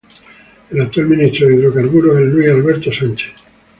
El actual Ministro de Hidrocarburos es Luis Alberto Sánchez.